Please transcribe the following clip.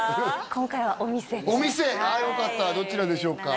お店ああよかったどちらでしょうか？